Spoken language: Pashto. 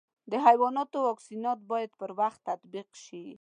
د حیواناتو واکسینات باید پر وخت تطبیق شي.